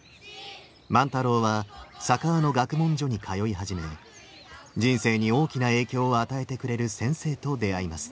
万太郎は佐川の学問所に通い始め人生に大きな影響を与えてくれる先生と出会います。